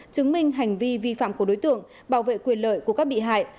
chứng minh hành vi vi phạm của đối tượng bảo vệ quyền lợi của các bị hại